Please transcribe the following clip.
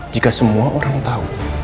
jika semua orang tau